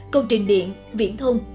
công trình điện viễn thông